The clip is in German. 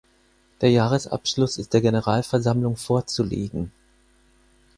Der Jahresabschluss ist der Generalversammlung vorzulegen.